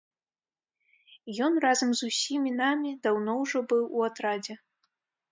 Ён разам з усімі намі даўно ўжо быў у атрадзе.